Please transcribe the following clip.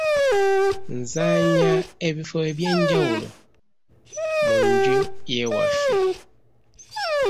Nzannya ebifo eby'enjawulo mu nju y’ewaffe.